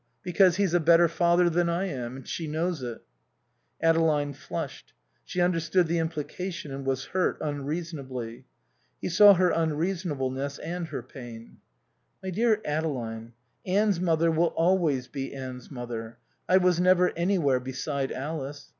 Because he's a better father than I am; and she knows it." Adeline flushed. She understood the implication and was hurt, unreasonably. He saw her unreasonableness and her pain. "My dear Adeline, Anne's mother will always be Anne's mother. I was never anywhere beside Alice.